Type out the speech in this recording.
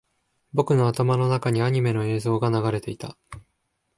僕の頭の中にアニメの映像が流れていた